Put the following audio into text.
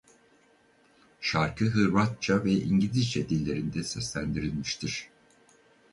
Şarkı Hırvatça ve İngilizce dillerinde seslendirilmiştir.